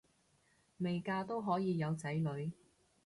未嫁都可以有仔女